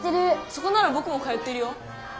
そこならぼくも通ってるよ。